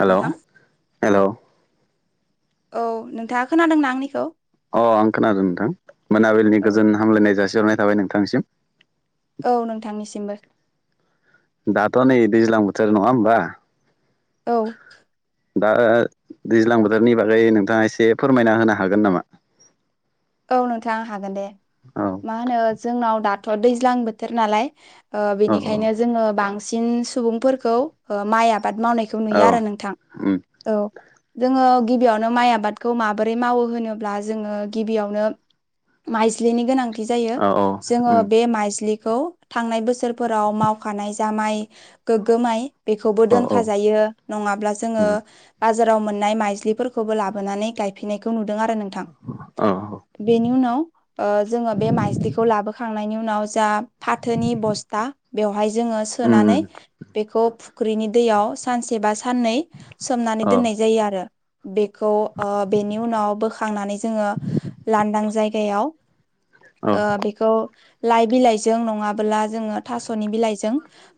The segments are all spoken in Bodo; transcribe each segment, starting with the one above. हेलौ नोंथां हेलौ औ नोंथाङा खोनादोंना आंनिखौ अ आं खोनादों नोंथां मोनाबिलिनि औ गोजोन हामलायनाय जासिहरनाय थाबाय नोंथांनिसिम औ नोंथांनिसिमबो दाथ' नै दैज्लां बोथोर नङा होमबा औ दा दैज्लां बोथोरनि बागै नोंथाङा एसे फोरमायना होनो हागोन नामा औ नोंथां हागोन दे औ मा होनो जोंनाव दाथ' दैज्लां बोथोर नालाय ओ औ बिनिखायनो जोङो बांसिन सुबुंफोरखौ ओ माइ आ आबाद मावनायखौ औ नुयो आरो नोंथां उम औ जोङो गिबियावनो माइ आबादखौ माबोरै मावो होनोब्ला जोङो गिबियाव नो माइज्लिनि गोनांथि जायो औ औ जोङो उम बे माइज्लि खौ थांनाय बोसोरफोराव मावखानाय जा माइ गोग्गो माइ बेखौबो औ औ दोनखाजायो नङाब्ला जोङो उम बा जाराव मोन्नाय माइज्लिफोरखौबो लाबोनानै गायफैनायखौ नुदों आरो नोंथां औ बेनि उनाव ओ जोङो बे माइज्लिखौ लाबोखांनायनि उनाव जा फाथोनि बस्था बेवहाय जोङो उम सोनानै बेखौ फुख्रिनि दैयाव सानसे बा साननै उम सोमनानै औ उम औ दोननाय जायो आरो बेखौ ओ बेनि उनाव बोखांनानै जोङो लानदां जायगायाव ओ उम बेखौ लाइ बिलाइजों नङाबोला जोङो थास'नि बिलाइजों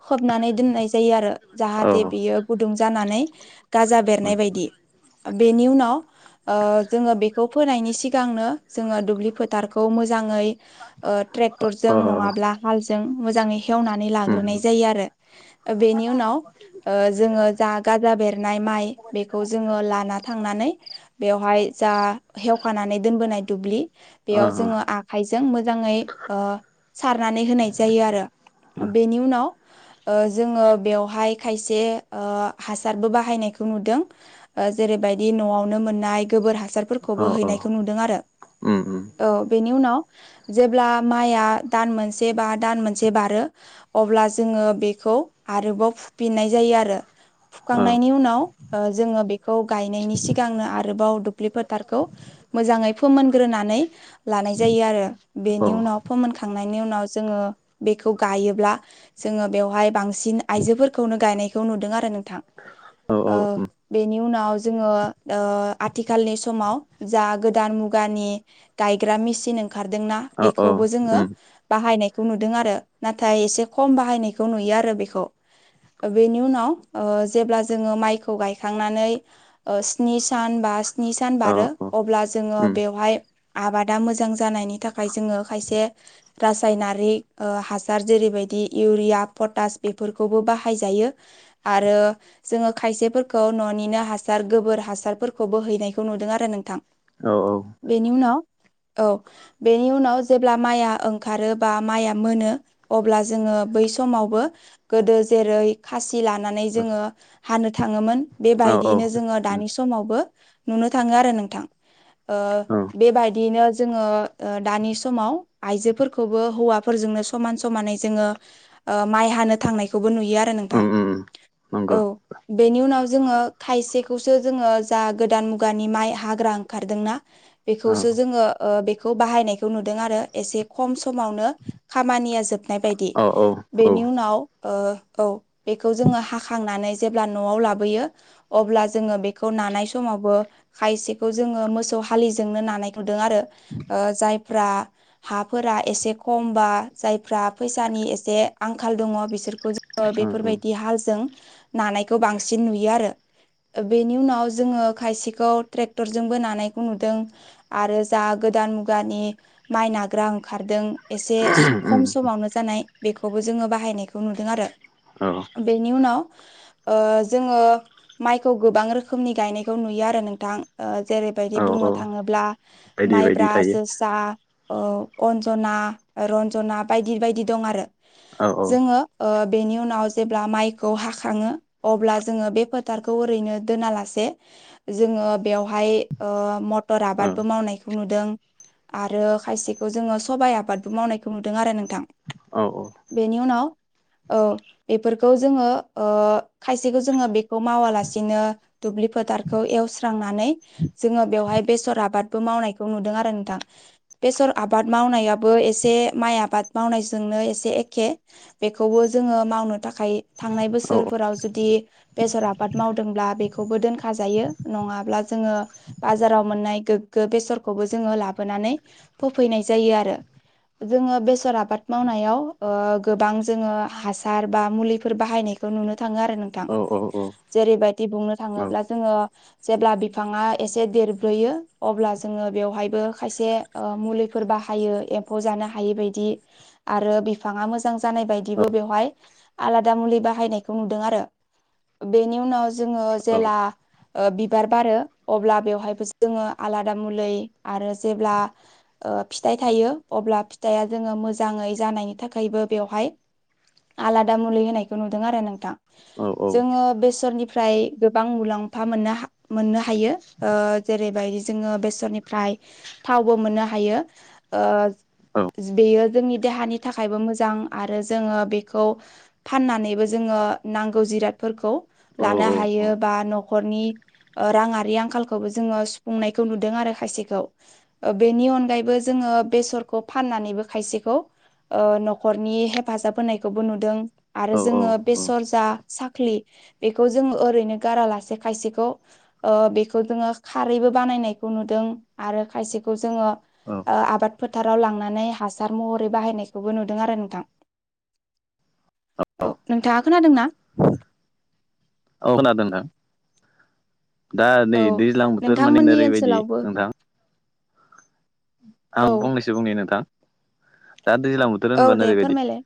खोबनानै दोननाय जायो आरो औ जाहाथे बियो गुदुं जानानै गाजा बेरनाय बायदि बेनि उनाव ओ जोङो बेखौ फोनायनि सिगांनो जोङो दुब्लि फोथारखौ मोजाङै ट्रेक्टरजों नङाब्ला हालजों मोजाङै हेवनानै लाग्रोनाय जायो आरो बेनि उनाव ओ जोङो जा गाजा बेरनाय माइ बेखौ जोङो लाना थांनानै बेवहाय जा हेवखानानै दोनबोनाय दुब्लि बेयाव जोङो आखाय जों मोजाङै ओ सारनानै होनाय जायो आरो बेनि उनाव ओ जोङो बेवहाय खायसे ओ हासारबो बाहायनाय खौ नुदों ओ जेरैबायदि न'आवनो मोननाय गोबोर हासारफोरखौबो हैनायखौ नुदों आरो उम उम औ बेनि उनाव जेब्ला माइया दान मोनसे बा दान मोनसे बारो अब्ला जोङो बेखौ आरोबाव फुफिनाय जायो आरो औ फुखांनायनि उनाव जो ङो बेखौ गायनायनि सिगांनो आरोबाव दुब्लि फोथारखौै मोजाङै फोमोनग्रोनानै लानाय जायो आरो बेनि औ उम औ उम औ उनाव फोमोन खांनायनि उनाव जोङो बेखौ गायोब्ला जोङो बेयावहाय बांसिन आयजोफोरखौनो गाय नायखौ नुदों आरो नोंथां। उम औ बेनि उनाव जोङो आथिखालनि समाव जा गोदान मु गानि गायग्रा मेचिन ओंखारदोंना औ बेखौबो जोङो बाहायनायखौ नुदों आरो नाथाय एसे खम बाहायनायखौ नुयो आरो बेखौ। बेनि उनाव जेब्ला जोङो माइखौ गायखांनानै स्नि सान बा स्नि सान बारो अब्ला जोङो बेवहाय आबादा मोजां जानायनि थाखाय जोङो खायसे रासायनारि हासार जेरैबायदि इउरिया, पतास बेफोरखौबो बाहाय जायो आरो जोङो खायसेफोरखौ न'निनो हासार गोबोर हासारफोरखौबो हैनायखौ नुदों आरो नोंथां। औ औ। बेनि उनाव औ बेनि उनाव जेब्ला माइआ ओंखारो बा माइआ मोनो अब्ला जोङो बै समावबो गोदो जेरै खासि लानानै जोङो हानो थाङोमोन। औ औ बेबायदियैनो जोङो उम दानि समावबो नुनो थाङो आरो नोंथां औ ओम बेबायदियैनो जोङो दानि समाव आइजोफोरखौबो हौवाफोरजोंनो समान समानै जोङो माइ हानो थांनायखौबो नुयो आरो नोंथां। ओम ओम नंगौ औ बेनि उनाव जोङो खायसेखौसो जोङो जा गोदान मुगानि माइ हा ग्रा ओंखारदोंना? औ बेखौसो जोङो बेखौ बाहायनायखौ नुदों आरो एसे खम समावनो खामा निया जोबनाय बायदि। औ औ बेनि उनाव बेखौ जोङो हाखांनानै जेब्ला न'आव लाबोयो अब्ला जोङो बेखौ नानाय समावबो खायसेखौ जोङो मोसौ हालिजोंनो नानाय नुदों आरो जायफोरा हाफोरा एसे खमबा जायफ्रा फैसानि एसे आंखाल दङ बिसोरखौ जोङो बेफोरबायदि हालजों नानाय खौ बांसिन नुयो आरो। बेनि उनाव जोङो खायसेखौ ट्रेक्टरजोंबो नानाय खौ नुदों आरो जा गोदान मुगानि माइ नाग्रा ओंखारदों एसे। खम समावनो जानाय बेखौबो जोङो बाहायनायखौ नुदों आरो। औ बेनि उनाव जोङो माइखौ गोबां रोखोमनि गायनायखौ नुयो आरो नोंथां जेरैबायदि औ औ बुंनो थाङोब्ला बायदि बायदि माइब्रा, थायो जोसा, अन्जना, रन्जना बायदि बायदि दं आरो औ जोङो बेनि उनाव जेब्ला माइखौ हाखाङो अब्ला जोङो बे फोथारखौ ओरैनो दोनाला से जोङो बेवहाय मटर औ आबादबो मावनायखौ नुदों। आरो खायसेखौ जोङो सबाइ आबादबो मावनायखौ नुदों आरो नोंथां। औ बेनि उनाव औ बेफोरखौ जोङो खायसेखौ जोङो बेखौ मावालासिनो दुब्लि फोथारखौ एवस्रांनानै जोङो बेवहाय बेसर आबादबो मावनायखौ नुदों आरो नोंथां बेसर आबाद मावनायाबो एसे माइ आबाद मावनायजोंनो एसे एखे बेखौबो जोङो मावनो थाखाय थांनाय बोसोर औ सोलफोराव जुदि बेसर आबाद मावदोंब्ला बेखौबो दोनखाजायो नङाब्ला जोङो बाजाराव मोननाय गोग्गो बेसरखौबो जोङो लाबोनानै फोफैनाय जायो आरो। जोङो बेसर आबाद मावनायाव गोबां जोङो हासार बा मुलिफोर बाहायनाय बेखौ नुनो थाङो आरो नोंथां औ जेरैबायदि बुंनो औ थाङोब्ला जोङो जेब्ला बिफाङा एसे देरब्रोयो अब्ला जोङो बेवहायबो खायसे मुलिफोर बाहायो एम्फौ जा नो हायि बायदि आरो बिफांङा मोजां जानाय यदि बेहाय आ आलादाबो मुलि बाहायनाय खौ नुदों आरो बेनि उनाव जोङो जेला बिबार बारो अब्ला बेवहायबो जोङो आलादा मुलि आरो जेब्ला फिथाइ थायो अब्ला फिथाइआ जोङो मोजाङै जानायनि थाखायबो बेवहाय आलादा मुलि होनायखौ नुदों आरो नोंथां औ जोङो बेसरनिफ्राय गोबां मुलाम्फा मोननो मोननो हायो ओ‌ जेरैबायदि जोङो बेसरनिफ्राय थावबो मोननो हायो औ बेयो जोंनि देहानि थाखायबो मोजां आरो जोङो बेखौ फाननानैबो जोङो नांगौ जिरादखौ औ औ लानो औ हायोबा न'खरनि राङारि आंखा लखौबो जोङो सुफुंनायखौ नुदों आरो खायसेखौ ओ बेनि अनगायैबो जोङो बेरसखौ फान फाननानैबो खायसेखौ न'खरनि हेफाजाब होनायखौबो नुदों आरो जोङो बेसर दा साख्लि बेखौ जों ओरैनो गारालासे खायसेखौ ओ बेखौ खौ जोङो खारैबो बानायनायखौ नुदों आरो खायसेखौ जोङो ओ आबाद फोथाराव लांनानै हासार महरै बाहायनायखौबो नुदों आरो नोंथां [inaudible] औ नोंथाङा खोनादोंना? औ खोनादों नों दा नै औ दैज्लां बोथोर मान नोंथांमोननि ओरैबायदि ओनसोलावबो नोंथां आं औ फंनैसो बुंनि नोंथां दा दैज्लां बोथोर औ होनब्ला दे नोरै बायदि फोरमायलाय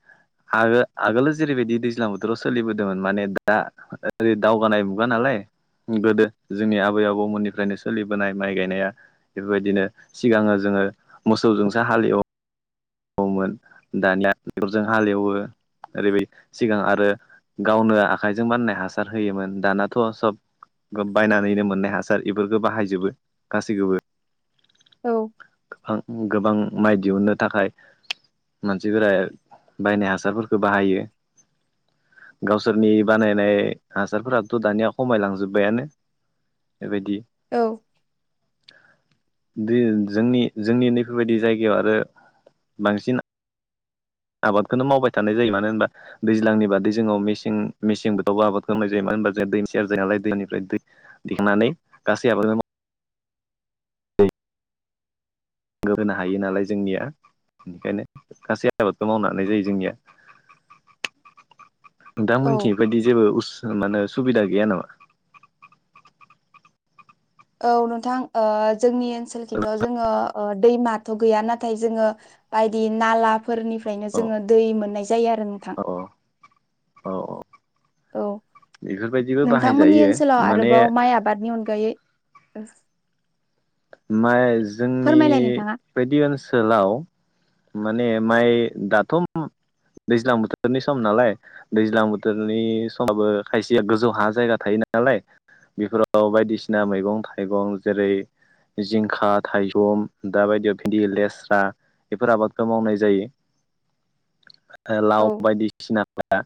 आ आगोलाव जेरैबायदि दैज्लां बोथोराव सोलिबोदोंमोन माने दा ओरै दावगानाय मुगा नालाय गोदो जोंनि आबै आबौमोननिफ्रायनो सोलिबोनाय माइ गायनाया बेफोरबायदिनो सिगाङो जोङो मोसौजोंसो हालेव औमोन दानिया ट्रेकगटरजों हालेवो ओरैबाय सिगां आरो गावनो आखाइजों बाननाय हासार होयोमोन दानाथ' सब बायनानैनो मोननाय हासार बेफोरखौ बाहायजोबो गासैखौबो औ आं गोबां माइ दिहुनन्नो थाखाय मानसिफोरा बायनाय हासारफोरखौ बाहायो गावसोरनि बानायनाय हासारफोराथ' दानिया खमायलांजोब्बायानो बेबायदि औ जोंनि जोंनि नैफोरबायदि जायगायाव आरो बांसिन आबादखौनो मावबाय थानाय जायो मानो होनबा दैज्लांनि बादै जोङो मेसें मेसें बोथावबो आबाद खालामनाय जायो मानो होनबा जों दै सेयार जायो नालाय दैनिफ्राय दै दिखांनानै गासैयाबो माव दै आंगो होनो हायो नालाय जोंनिया बेखायनो गासै आबाखौ' मावनो हानाय जायो जोंनिया दा औ मोनथि बायदि जेबो उस मानो सुबिदा गैया नामा औ नोंथां ओ जोंनि ओनसोलखिथ' जोङो ओ‌ दैमाथ' गैया नाथाय जोङो बायदि नालाफोरनिफ्रायनो अ जोङो दै मोननाय जायो आरो नोंथां अ अ औ बेफोरबायदिबो नोंथांमोननि बाहायजायो ओनसोलाव माने आरोबाव माइ आबादनि अनगायै [unintelligible] माइ जोंनि फोरमायलाय नोंथाङा बायदि ओनसोलाव माने माइ दाथ' दैज्लां बोथोरनि सम नालाय दैज्लां बोथोरनि समाबो खायसेया गोजौ हा जायगा थायोना नालाय बेफोराव बायदिसिना मैगं थाइगं जेरै जिंखा थाइजौ दा बायदियाव भिन्दि लेस्रा बेफोर आबादखौ मावनाय जायो औ लाव बायदिसिना दा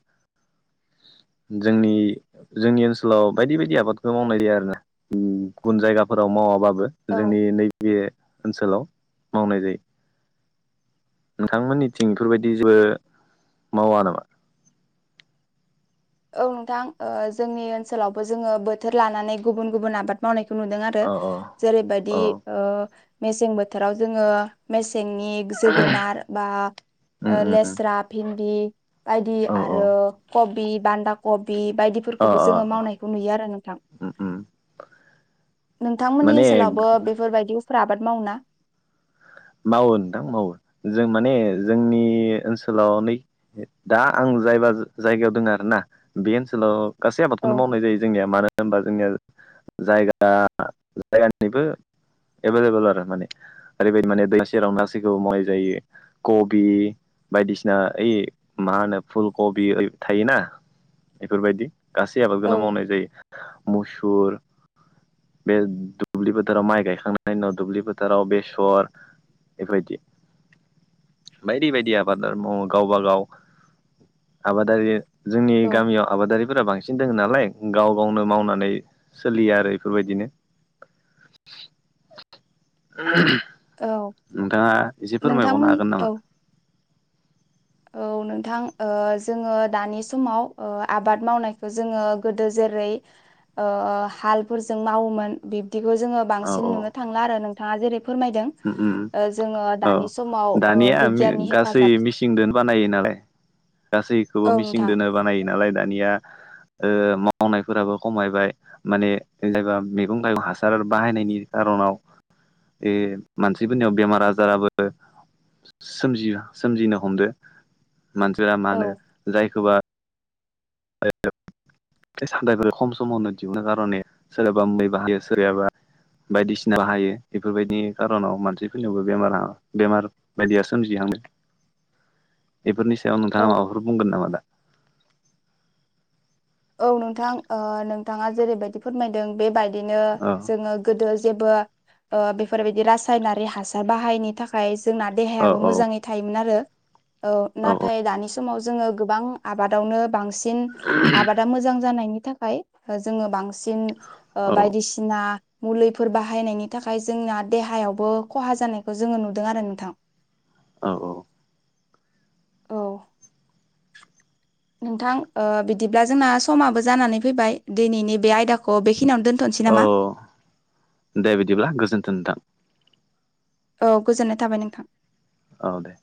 जोंनि जोंनि ओनसोलाव बायदि बायदि आबादखौ मावनाय जायो आरोना गुबुन जायगाफोराव मावाबाबो औ जोंनि नैबे ओनसोलाव मावनाय जायो नोंथांमोननिथिं बेफोरबायदि जेबो मावा नामा औ नोंथां जोंनि ओनसोलावबो जोङो बोथोर लानानै गुबुन गुबुन आबाद मावनायखौ अ जेरैबायदि अ मसें बोथोराव जोंगो जेंनिक जोगोनार बा उम उम उम लेस्रा भिन्दि बायदि औ औ आरो कबि बान्दा कबि बे अ बायदिफोरखौबो जोङो मावनायखौ नुयो आरो नोंथां उम उम नोंथांमोननि माने ओनसोलावबो बेफोरबायदिफोर आबाद मावो ना मावो नोंथां मावो जों माने जोंनि ओनसोलाव नै दा आं जायबा जायगायाव दङ आरो ना बे ओनसोलाव गासै औ आबादखौनो मावनाय जायो जोंनिया मानो होनबा जोंनिया जायगा जायगानिबो एभेलेबल आरो माने ओरैबायदि माने सेराव गासैखौबो मावनाय जायो कबि बायदिसिना ओइ मा होनो फुल कबि थायोना बेफोरबायदि गासै औ आबादखौनो मावनाय जायो मुसुर बे दुब्लि फोथोराव माइ गायखांनायनि उनाव दुब्लि फोथाराव बेसर बेबायदि बायदि बायदि आबाद मावो गावबाागाव आबादारि जोंनि औ गामियाव आबादारिफोरा बांसिन दङ नालाय गाव गावनो मावनानै सोलियो आरो बेफोरबायदिनो म औ नोंथाङा एसे फोरमायबावनो नोंथांमोन हागोन नामा औ औ नोंथां जोङो दानि समाव आबाद मावनायखौ जोङो गोदो जेन जेरै हालजों मावोमोन बिखौ जोङो औ बांसिन औ नुनो थांला आरो नोंथाङा जेरै फोरमायदों उम उम जोङो औ दानि समाव दानिया बिगियाननि गासै हेफाजाब मिसिंजों बानायो नालाय गासैखौबो औ मिसिं नोंथां दोनो बानायो नालाय दानिया मावनायफोराबो खमायबाय माने जेनबा मैगं थाइगं हासार बाहायनायनि खार'नाव बे मानसिफोरनियाव बेमार आजाराबो सोमजिनो हमदो मानसिफोरा मा औ होनो जायखौबा आ फिथाइ-सामथाइफोरखौ खम समावनो दिहुननो खारने सोरहाबा मुलि बाहायो सोरहाबा बायदिसिना बाहायो बेफोरबायदि खार'नाव मानसिफोरनियावबो बेमार बायदिया सोमजिनो हमो बेफोरनि सायाव औ नोंथाङा माबाफोर बुंगोन नामा दा औ नोंथां नोंथाङा जेरैबायदि फोरमायदों बेबायदिनो औ जोङो गोदो जेबो बेफोरबायदि रासायनारि हासार बाहायिनि थाखाय जोंना देहायाबो औ मोजाङै थायोमोन आरो औ नाथाय दानि समाव जोङो गोबां आबादावनो बांसिन आबादा मोजां जानायनि थाखाय जोङो बांसिन बायदिसिना मुलिफोर बाहायनायनि थाखाय जोंना देहायावबो खहा जानायखौ जोङो नुदों आरो नोंथां औ औ औ नोंथां बिदिब्ला जोंना समाबो जानानै फैबाय दिनैनि बे आयदाखौ बे औ दे बिदिब्ला गोजोन्थो नोंथां औ गोजोननाय थाबाय नोंथां औ दे